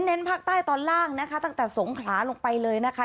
ภาคใต้ตอนล่างนะคะตั้งแต่สงขลาลงไปเลยนะคะ